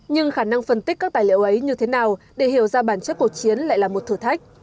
nhưng khả năng phân tích các tài liệu ấy như thế nào để hiểu ra bản chất cuộc chiến lại là một thử thách